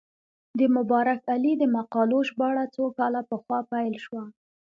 د مبارک علي د مقالو ژباړه څو کاله پخوا پیل شوه.